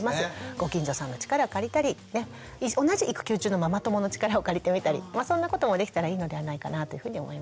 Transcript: ご近所さんの力を借りたりね同じ育休中のママ友の力を借りてみたりそんなこともできたらいいのではないかなというふうに思います。